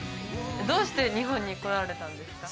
どうして日本に来られたんですか？